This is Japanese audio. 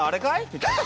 みたいな。